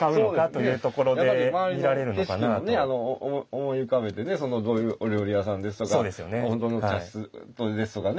思い浮かべてねお料理屋さんですとか本当の茶室ですとかね